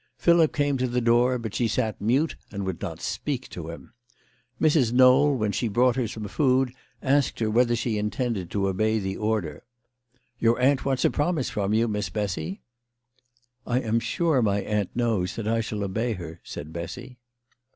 Philip came to the door, but she sat mute and would not speak to him. Mrs. Knowl, when she brought her some food, asked her whether she intended to obey the order. " Your aunt wants a promise from you, Miss Bessy ?"" I am sure my aunt knows that I shall obey her," said Bessy.